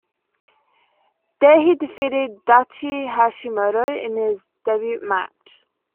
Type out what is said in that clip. There he defeated Daichi Hashimoto in his debut match.